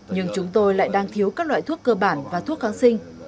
nhưng chúng tôi lại đang thiếu các loại thuốc cơ bản và thuốc kháng sinh